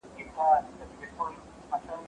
زه بايد مېوې وچوم!!